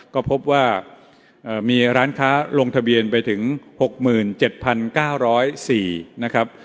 ก็พบว่ามีร้านค้าลงทะเบียนไปถึง๖๗๙๐๔นะครับ